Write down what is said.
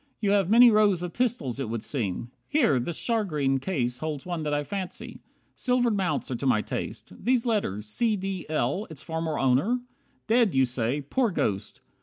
You have many rows Of pistols it would seem. Here, this shagreen Case holds one that I fancy. Silvered mounts Are to my taste. These letters `C. D. L.' Its former owner? Dead, you say. Poor Ghost!